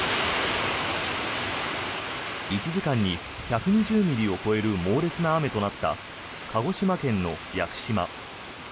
１時間に１２０ミリを超える猛烈な雨となった鹿児島県の屋久島。